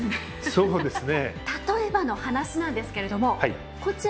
そうですね。